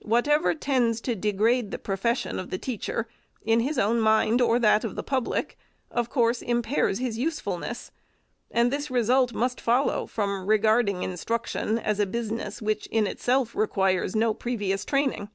Whatever tends to degrade the profession of the teacher, in his own mind or that of the public, of course impairs his useful ness ; and this result must follow from regarding instruc tion as a business which in itself requires no previous training.